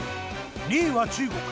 ２位は中国。